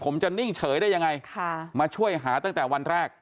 ผมจะนิ่งเฉยได้ยังไงค่ะมาช่วยหาตั้งแต่วันแรก